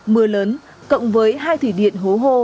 mưa lớn cộng với hai thủy điện hố hô